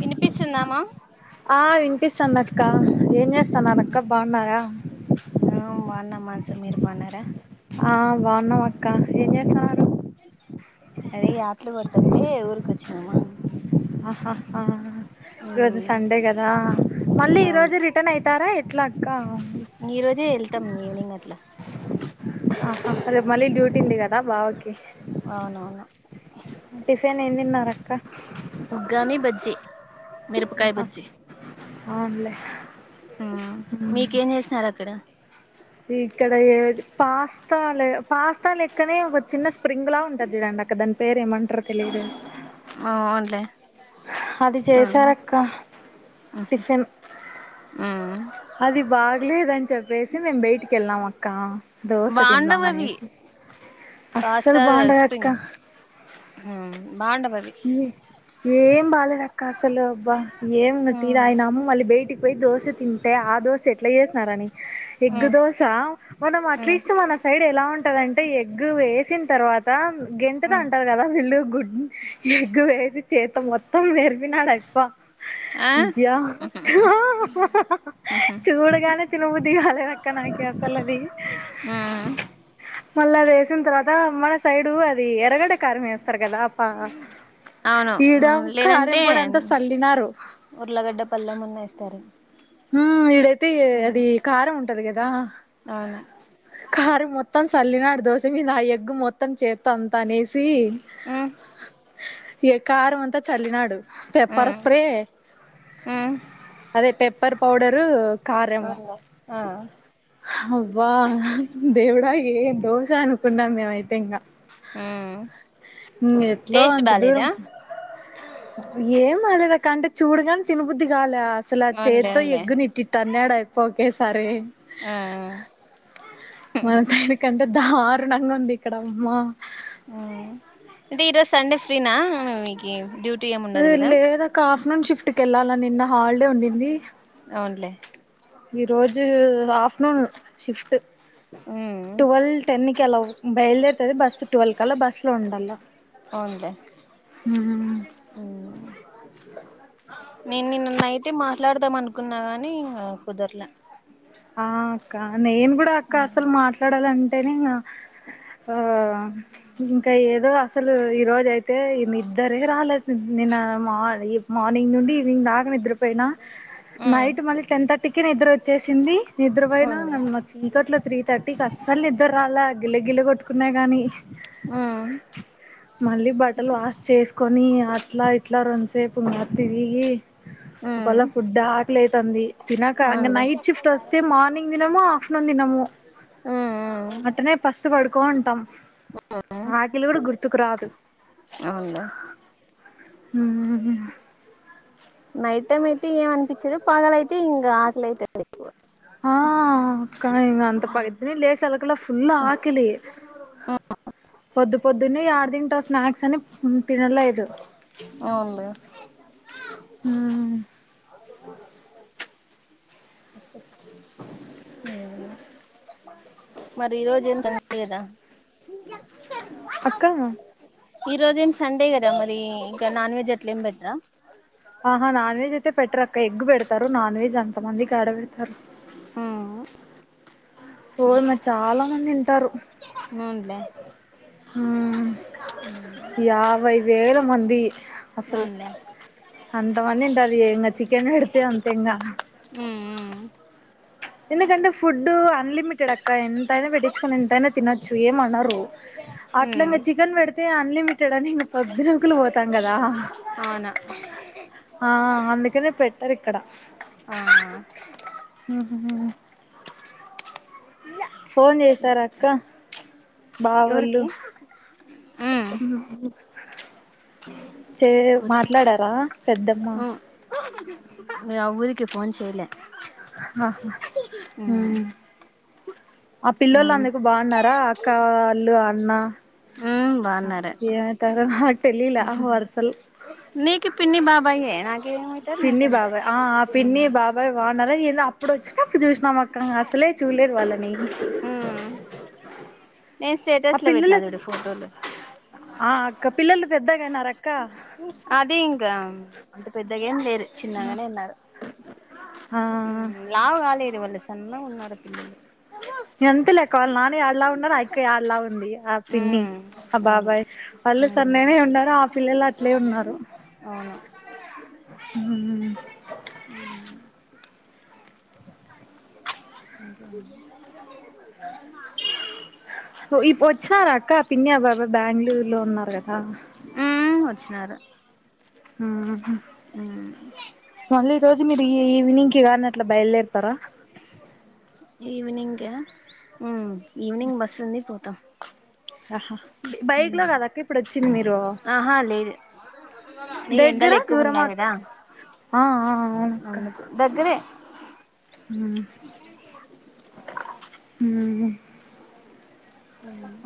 వినిపిస్తుందామా ఆ వినిపిస్తాంది అక్క ఏం చేస్తనారక్క బాగున్నారా, సమీర్పన్నార ఆ బాగున్నాం అక్క ఏం చేస్తన్నారు అదే ఆటలు పడుతంటే ఊరిక వచ్చినామా ఆ ఈరోజు సండే కదా మళ్ళీ అవును ఈరోజు రిటర్న్ అయితారా ఎట్లా అక్క ఈ రోజే వెళ్తాం ఈవినింగ్ అట్లా ఆ రే మళ్ళీ డ్యూటీ ఉంది కదా భావకి అవునవును టిఫిన్ యేం దిన్నారక్క ఉగ్గాని బజ్జి మిరపకాయ బజ్జి అవునులే మ్మ్ మీకేం చేసినారు అక్కడ. ఇక్కడ యే పాస్తా లె పాస్త లెక్కనే ఒక చిన్న స్ప్రింగ్ లా ఉంటది చూడండి అక్క, దాని పేరు ఏమంటరో తెలియదు. ఓ అవునులే అది జేసారక్క టిఫెన్ దోసె బాగుండవు అవి తిందామనేసి అస్సలు పాస్తా బాగుండదక్క స్ప్రింగ్ బాగుండవు అవి ఏ యేం బాలేదక్క అస్సలు అబ్బా, ఏం టీ దాగినాము మళ్ళీ బయటి వయి దో స తి ఆ దో ఎట్లా చేసని ఎ దో మనం అట్లీస్ట్ మన సైడ్ ఎలా ఉంటంటే ఎ వేసిన తర్వాత గింటెతో అంటారు కదా వీళ్ళు గు ఎగ్గు వేసి చేత మొత్తం త మీరుపినాడయిప్ప బ ఆ చూడగానే తినుముది కాలేనక్క నాకు అసలు అది ఉమ్ మళ్ళీ అది వేసిన తర్వాత మన సైడు అది ఎరగడే కారంమేస్త అవును ఈడ కారం లేదంటే పొడి అంతా సల్లినారు ఉర్లగడ్డ పల్లెం మన్న చెస్తారు హ ఇడైతే అది కారం ఉంటది కదా అవును కారం మొత్తం మొత్తం చల్లినాడు దోశ మీద ఆ ఎగ్ మొత్తం చేత్త్త అంత అనే సి ఉమ్ ఏ కారం అంతా చల్లినాడు పేపర్ ఉమ్ స్ప్రే ఉమ్ అదే ప సప్పర్ పడరు కారము అవునులే ఆ అవ్వ దేవ్డాగి దోస అనుకుంటమ్వ హ ఎట్లో అంత దూరం ఏం అదల కండ చూడగానే తిినబుద్ది కాల అసలు ఆ అవునులే చేతితో అవునులే ఎగ్గునిట్టి త అన్నాడు అయిపో ఒకేసారి ఆ ఆ మన సైని కంటే దారుణంగా ఉంది ఇక్కడమ్మా ఇది ఇరోజు సండే ఫ్రీనా మూవికి డ్యూట్ లేదాక్క ఆఫ్టర్నూన్ షిఫ్ట్ తెల్లాల నిన్న హాలిడే ఉండింది అవునులే ఈ రోజు హఫటర్నూన్ షిఫట్ ఉమ్ ట్వెల్వ టెన్ కలా బయలే బస్సు వల్ ల బస్ లో ఉండలో అవునులే ఉమ్ నేను నిన్న నైటే మాట్లాడదాం అనుకున్నా గాని ఇంక కుదరల ఆ అక్క నేను కూడా అక్క అసలు మాట్లాడాలంటేనే ఆ ఇంకా ఏదో అస అసలు ఈ రోజ అయితే నిద్దరే రాలేదు నిన్న ఈ మార్నింగ్ నుండి ఈవినింగ్ దాక నిద్రపోయినా ఉమ్ నైట్ మళ్ళ టెన్ థర్టీ క నిద్ర వచ్చే చేసి అవునులే నిద్రపోయినా చీకట్లో త్రీ థర్టీ క అస్సలు నిద్ర రాల గిల్ల గిల్ల కొట్టుకున్నాయి కాగాని ఉమ్ మళ్ళీ బట్టలు వాష్ చేసుకొని అట్లా ఇట్లా రొండుసేపు మాత్త ఇరిగి ఉమ్ అప్పలా ఫుడ్ ఆక లయాత్ తంది తినక అ అవునులే నైట్ స్టిఫ్ వస్తే మార్నింగ్ తినము ఆఫ్టర్నూన్ తినము ఉమ్ ఉమ్ అట్నే పస్తు పడుకోంటాం రాకిలు కూడా గుర్తుకు రాదు అవునులే ఉ నైట్ టైమ్ అయితే ఏమ అనిపించదు పాగలయితే ఇంకా ఆకలిైతండి ఎక్కువ హ కానీ ఇం అంత పద్దుని లేక చలకల ఫుల్ ఆకిలి పొద్దు పొద్దుని ఆడ తింటా స్నాక్స్ అని తినలేదు అవునులే హ అ హ మరి ఈ రోజు ఏం తం లేదా అక్క ఈ రోజేం సండే కదా మరి నాన్ వెజ్ అట్ల ఎం పేట్రా పెట్రాక్ ఒక ఎగ్ పెడతారు నాన్ వెెజ్ అంత మంది యాడ పెడతారు ఆ ఓయమ్మో చాలా మంది వింటారు అవునులే యాభై వేల మంది అసలు అవునులే అంతమంది ఉంటారు ఏ ఇంకా చికెన్ పెడితే అంతే ఇంకా ఉమ్ ఉమ్ ఎందుకంటే ఫుడ్ అన్లిమిట్ డక్క ఎంతైనా పెట్టించుకొని ఎంతైనా తినొచ్చు ఏమ అనరు అట్లా ఉమ్ ఇంకా చికెన్ పెడితే అన్లిమిటెడ్ అని ఇం పథ్యం కులు పోతాం కదా అవునా ఆ అందుకనే పెట్టారు ఇక్కడ ఆ హ ఫోన్ చేసారు అక్క ఎవరికి ఉమ్ అవును నాకివ్వు చే కూర్చో మాట్లాడారా పెద్దమ్మ న ఊరికి ఫోన్ చేయలే ఆహా ఉమ్ ఆ పిల్లలు ఉమ్ అందుకు బాగున్నారా అక్క వాళ్ళు అన్నా ఉమ్ బాగున్నారే నాకు తెలీలా ఉహుహు వరుసలు నీకు పిన్ని బాబాయే నా పిన్ని బాబాయి ఆ ఆ పిన్ని బాబాయి వానాల ఇప్పుడు వచ్చినప్పుడు చూసినాం అక్క అసలే చూడలేదు వాళ్ళని నే ఆ స్టేటస్ లో పెట్నా పిల్లలు చూడు ఫోటోలు క పిల్లలు పెద్దగయినారు అక్క అదీ అం అంత పెద్దగా ఏం లేదు చిన్నగానే ఉన్నారు ఆ ఉమ్ లావు కాలేదు వాల్లు ఇంకా ఉన్నార పిల్లలు అంతేలే వాళ్ళ నాన్న యాడ లావు ఉన్నారు ఆయక్క యాడలా ఉంది ఆ పిన్ని ఉమ్ ఆ అవును బాబాయ్ వాళ్ళు ఉమ్ సన్నగనే ఉన్నారు ఆ పిల్లలు అట్లే ఉన్నారు అవును ఉమ్ అకా బ [unintelligible] ప్ ఇప్ప్ వొచ్చినారా అక్క పిన్ని అ బాబాయ్ బ్యాంగ్ళూర్లో ఉన్నార్ గదా. చ్చినార ఊహు లే మళ్ళి ఈ రోజు మీరు ఈవ్ ఈవ్నిం. కేమన్నట్ల బయల్దేర్తారా. ఈవినింగ్ ఉమ్ ఈవినింగ్ బస్సు ఉంది పోతాం హహా బైక్ లో ఉమ్ కదక్క ఇప్పుడు వచ్చింది మీరు ఆహా లేదు ఈ దగ్గర ఎండలు ఎక్కువ దూరమా ఉన్నాయి కదా అ ఆ అవునక్క అందుకు దగ్గరే ఉమ్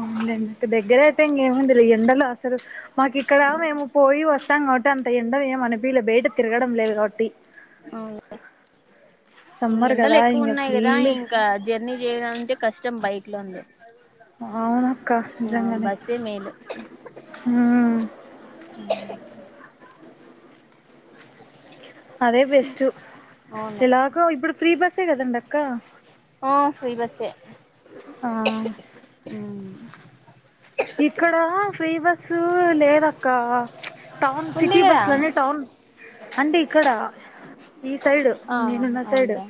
అవుండి ఇంత దగ్గరయితే ఇంకేముంది ఎండలు అసలు మాకు ఇక్కడ మేము పోయి వస్తాం కాబట్టి అంత ఎండగా ఏం అనిపియ్యలే బయట తిరగడం లేదు కాబట్టి ఔన్లే ఈ సమ్మర్ కదా ఇంగ ఎండలెక్కువున్నాయ్ గదా ఫుల్ ఇంక జర్నీ జేయడం అంటే కష్టం బైక్ లోండి. అ ఔనక్క నిజంగనే బస్సే మేలు హుమ్. అదే బెస్ట్ అవును ఎలాగో ఇబ్బుడు ఫ్రీ బస్. తె గదండక్క ఆ ఫ్రీ బస్సే ఆ ఉమ్ ఇక్కడ ఫ్రీ బస్సు లేదక్క టౌన్ ఉంది సిటీ కదా బస్లోనె టౌన్. అంటే ఇక్కడ ఈ సైడ్ ఆ నేనున్న సైడ్ అవునులే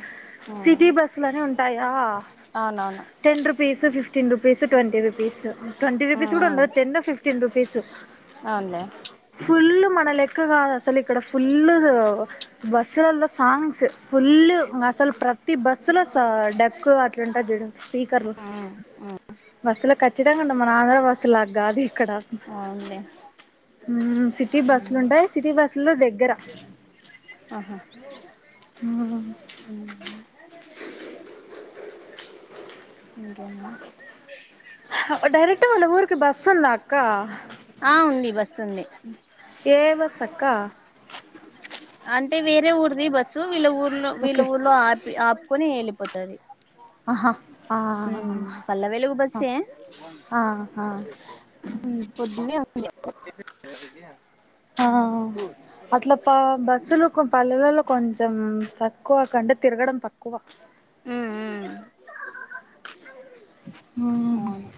ఆ సిటీ బస్సులనే ఉంటాయా అవునవును ten rupees fifteen rupees twenty rupees twenty rupees గూడుండదు టెన్ ఫిఫ్టీన్ రు. పీసు ఔన్లే మ [unintelligible] క్ గాదసలు ఇక్కడ ఫుల్లుగు బస్సులల్లో సాంగ్స్ ఫుల్లు మసల్ ప్రత్ తి బస్సులో స డక్కు అట్లుంటద్ జూడు. స్పీకర్లు ఉమ్ ఉమ్ బస్సులో ఖచ్చిద అండ మనాంధ్ర బస్సుల్లాగ్గాదు ఇ. అవునులే సిటీ బస్సులు హమ్ ఉంటాయి సిటీ బస్సులో దగ్గర ఆహా హమ్ డైరెక్ట్ వాళ్ళ ఊరుకి బస్ ఉందా అక్ అక్క సున్నీ ఏ బస్ అక్క అంటే వేరే ఊరిది బస్సు వీళ్ళ ఊర్లో వీళ్ళ ఓకే ఊర్లో అప్ ఆపుకొని వెళ్లిపోతది అహా ఆ పల్లె వెలుగు అ బస్సే ఆ హా. పొద్దున్నే [unintelligible] ఆ అట్ల ప బస్సులు కొ పల్లెవెలో కొంచ్. తం తక్కువ క అంటె తిరగడం తక్కువ. ఉమ్ అవును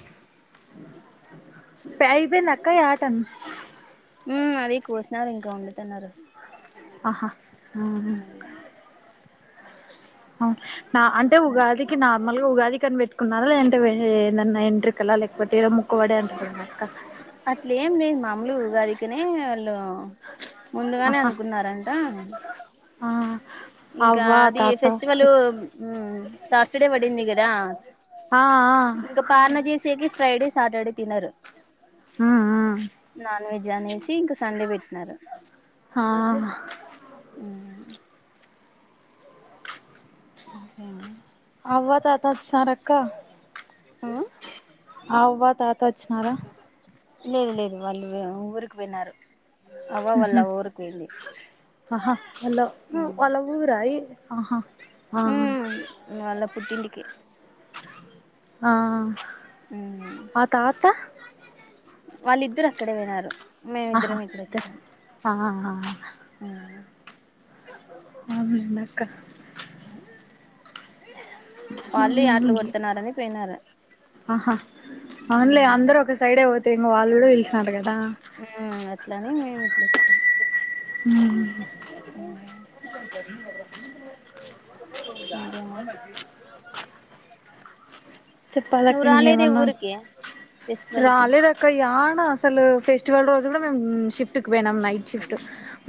ప్యాయ్బెయ్ందక్క యాటన్. హ్మ్ అది కోసినారు ఇంకా వండుతున్నారు ఆహా హమ్ ఆ నార్ అంటే ఉగాదికి నార్మల్గా ఉగాది కనిపెట్ న్నారు ఎంటే లేదంన ఎంట్రికల లేక అట్లే ఏం లే మామలు ఉగాదికి నీ య్యల్ ముందుగానే ఆహా అనుకున్నారంట ఆ ఇంకా అవ్వ అది తాత ఫెస్టివల్ తర్స్ డే పడింది ఇగిదా ఆ ఆ ఫ్రైడే సాటర్డే తిన్నారు ఆ నాన్ వెజ్ అనేసి ఇంకా సండే పెట్ న్నారు హా ఆ ఒకే అవ్వ తాత వోస్తున్నా రక్కా ఆ అవ్వ తాత వచ్చినారా లేదు లేదు వాళ్ళు ఊరికి పోయినారు అవ్వ ఉహ వాళ్ళ ఊరికి పోయింది ఆహా వాళ వాళ ఊరాయి ఆహా ఆ ఉమ్ వాళ్ళ పుట్టింటికి ఆ ఆత ఆత వాళ్ళిద్దరు అక్కడే వినారు. ఆహా త ఆహహ అ ఉహు పోయినారు ఆహా అందులే అందరు ఒక సైడే పోతే ఇంకా వాళ్ళు కూడా పలిసినారు కదా అట్లని మేము ఇట్లా వచ్చినాం హమ్ ఇంకేమి చెప్పాలక్క ఇంకేమన్నా ఫెస్టివల్ కి రాలేదక్క యార్ నాసలు ఫెస్టివల్ రోజు కూడా షిఫ్ట్ కి పోయినం నైట్ షిఫ్ట్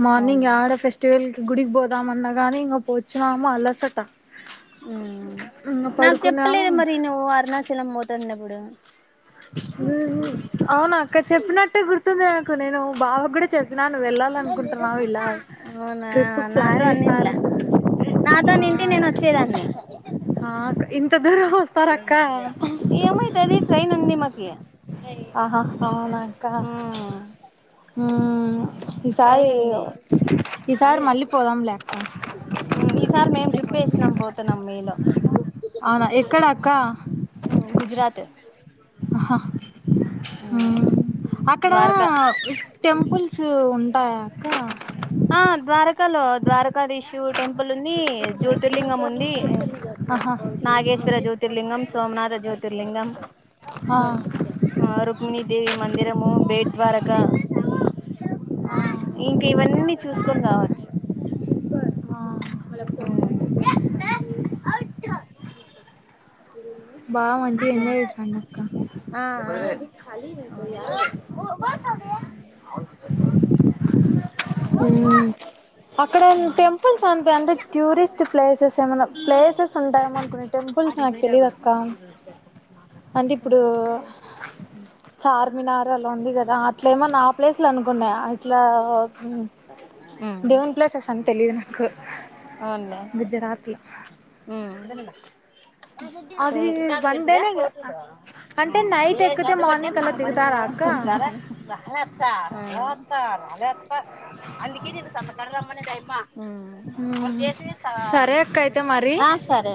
మార్నింగ్ అవునులే ఆడ ఫస్టివల్ గుడికి పోదాం అన్నగానీ ఇంగొ వచ్చినాము అలసట, చ్ ఇంగ పడుకున్నాము. చిలం మోతుంనప్పుడు అవునా అక్క చెప్పినట్టే గుర్తుందె కు నేను బావకూడా చె అవునా ట్రిప్ కు ప్లాన్ నాతో అన్నింల, వేసినారు నాతో అనింటె నేను వచ్చేదాన్ని అ ఆ అక్క్ ఇంత దూరం వస్తారక్క ఏమైతది ట్రైన్ ఉంది మాకి ఆహా ఔన కా ట్రైన్ ఈసారిఒ, ఉంది ఈసారి మళ్ళీ పోదాంలే అక్క ఈసారి మేము ట్రిప్ వేసినాం పోతున్నాం మీలో ఔనా ఎక్కడక్క ఉ గుజరాత్ ఉ అక్కడ ద్వారకా ఉస్ టెంపుల్ సు ఉంటాయాక్క ఆ ద్వారకాలో ద్వార్ ఏకాదీశు టెంపులుంది, జ్యోతిర్లింగముంది, ఎ ఆహా నాగేశ్వర జ్యోతిర్లింగం, సోమనాథ జ్యోతిర్లింగం, ఆ ఆరుక్మిణీ దేవి మందిరము, బేడ్ ద్వారక ఆ ఆ ఇంక ఇవన్నీ చూసుకొని రావచ్చు. ఉ అ బాగా మంచిగా ఎంజాయ్ చేసాండి ఆ అక్కఖాయి ఆ అవును అక్కడ టెంపుల్స్ అంతే అంటే ట్యూరిస్ట్ ప్లేసెస్ ఏమన్నా ప్లేసెస్ ఉంటాయమో అనుకున్నా టెంపుల్స్ అడికి నాకు పోయి తెలీదుక్క తాగుదాము అవునులే అంటే ఇప్పుడు చార్మినార్ అలా ఉంది కదా అట్లా ఏమ ఆ ప్లేస్లు అనుకున్నా అట్లా దేవున్ ప్లేసెస్ అని తెలిదు నాకు గుజరాత్ లో దన్నగ అ ఇకా అదు పెడుతుదయా పోట్దు అంటే నైట్ ఎక్కితే అడ్బ మార్నింగ్ కల్లా మాకు పనిమింది దిగుతారా అక్క మనార రాలత్తా రాాలత్తా రాలత్త అందుకే నేను సంత కడల అమ్మనే దైమ్మా ఆ సరే అక్క అయితే మరి సరే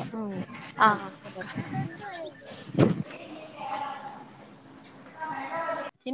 ఇ